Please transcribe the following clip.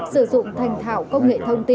sử dụng thành thảo công nghệ thông tin